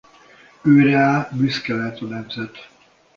Ő reá büszke lehet a nemzet.